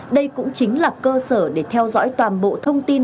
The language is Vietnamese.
đây cũng chính là cơ sở để theo dõi toàn bộ thông tin